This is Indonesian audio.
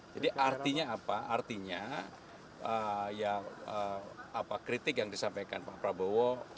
jadi artinya apa artinya kritik yang disampaikan pak prabowo